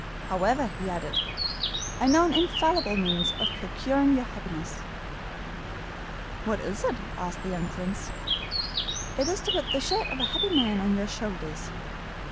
'However,' he added, 'I know an infallible means of procuring your happiness.' 'What is it?' asked the young Prince. 'It is to put the shirt of a happy man on your shoulders.